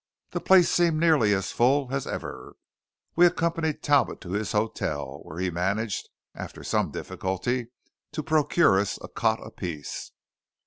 The place seemed nearly as full as ever. We accompanied Talbot to his hotel, where he managed, after some difficulty, to procure us a cot apiece.